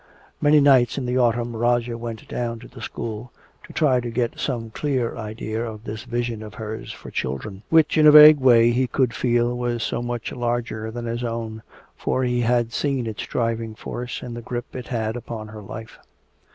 Many nights in the autumn Roger went down to the school, to try to get some clear idea of this vision of hers for children, which in a vague way he could feel was so much larger than his own, for he had seen its driving force in the grip it had upon her life.